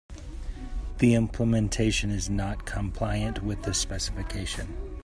The implementation is not compliant with the specification.